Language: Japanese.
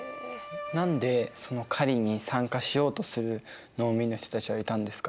何でその狩りに参加しようとする農民の人たちがいたんですか？